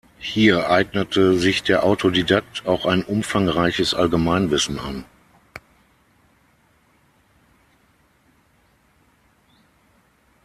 Hier eignete sich der Autodidakt auch ein umfangreiches Allgemeinwissen an.